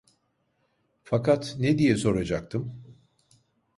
Fakat ne diye soracaktım?